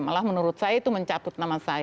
malah menurut saya itu mencabut nama saya